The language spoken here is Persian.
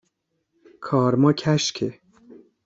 کارما کشکه